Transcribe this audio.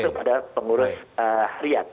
dan juga ada pengurus harian